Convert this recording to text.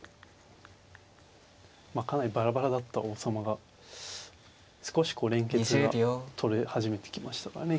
まあかなりバラバラだった王様が少しこう連結がとれ始めてきましたからね。